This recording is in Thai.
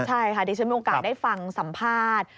เดี๋ยวฉันมีโอกาสได้ฟังสัมภาษณ์